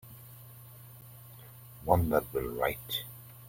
One that will write.